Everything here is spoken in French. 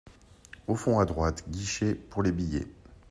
Au fond, à droite, guichet pour les billets.